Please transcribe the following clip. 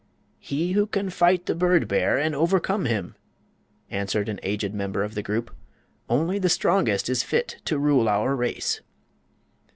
"He who can fight the bird bear and overcome him," answered an aged member of the group. "Only the strongest is fit to rule our race."